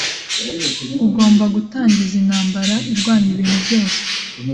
ugomba gutangiza intambara irwanya ibintu byose